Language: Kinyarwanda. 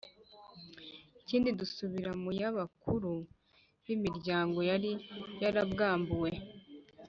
ikindi busubira mu y'abakuru b' imiryango yari yarabwambuwe